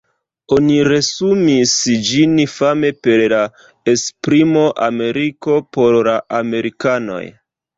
Oni resumis ĝin fame per la esprimo "Ameriko por la amerikanoj".